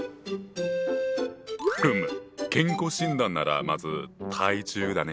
ふむ健康診断ならまず体重だね。